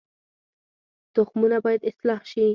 تخمونه باید اصلاح شي